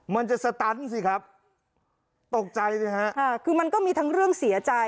มันจะสตันสิครับตกใจสิฮะค่ะคือมันก็มีทั้งเรื่องเสียใจ